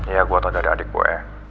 iya gue tau dari adik gue